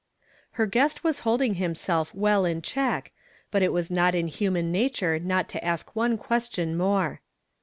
'" Her guest was holding himself well in check, but it was not in human nature not to ask one question more.